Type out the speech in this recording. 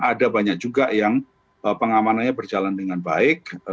ada banyak juga yang pengamanannya berjalan dengan baik